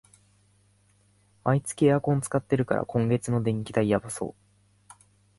毎日エアコン使ってるから、今月の電気代やばそう